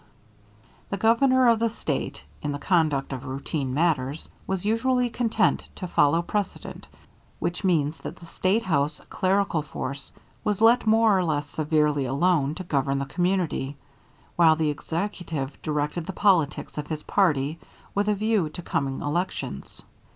The Governor of the State, in the conduct of routine matters, was usually content to follow precedent, which means that the State House clerical force was let more or less severely alone to govern the community, while the executive directed the politics of his party with a view to coming elections.